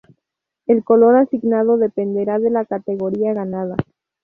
El color asignado dependerá de la categoría ganada.